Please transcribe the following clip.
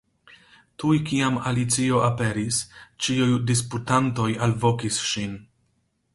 Tuj kiam Alicio aperis, ĉiuj disputantoj alvokis ŝin.